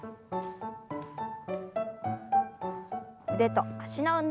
腕と脚の運動です。